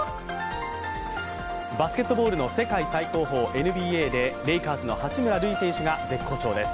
バスケットボールの世界最高峰ＮＢＡでレイカーズの八村塁選手が絶好調です。